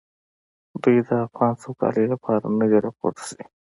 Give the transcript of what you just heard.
دوی د افغان سوکالۍ لپاره نه دي راپورته شوي.